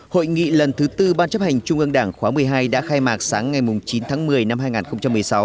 hội nghị lần thứ tư ban chấp hành trung ương đảng khóa một mươi hai đã khai mạc sáng ngày chín tháng một mươi năm hai nghìn một mươi sáu